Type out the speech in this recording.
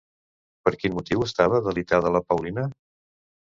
Per quin motiu estava delitada la Paulina?